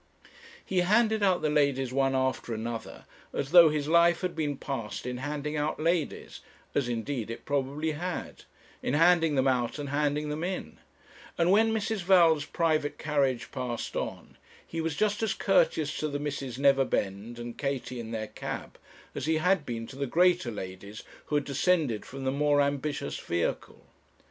He handed out the ladies one after another, as though his life had been passed in handing out ladies, as, indeed, it probably had in handing them out and handing them in; and when Mrs. Val's 'private' carriage passed on, he was just as courteous to the Misses Neverbend and Katie in their cab, as he had been to the greater ladies who had descended from the more ambitious vehicle.